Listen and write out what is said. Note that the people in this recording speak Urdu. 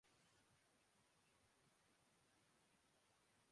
مغل سپر ہیروز متعارف کرانے والے پاکستانی امریکی ڈاکٹر